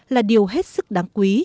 là điều hết sức đáng